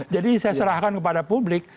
jadi saya serahkan kepada publik